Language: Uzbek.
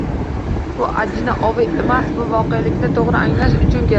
Bu «ajina ovi» emas, bu voqelikni to‘g‘ri anglash uchun kerak.